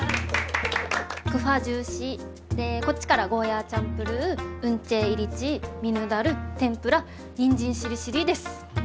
クファジューシーでこっちからゴーヤーチャンプルーウンチェーイリチーミヌダル天ぷらにんじんしりしりーです。